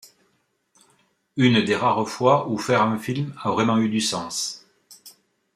Une des rares fois où faire un film a vraiment eu du sens.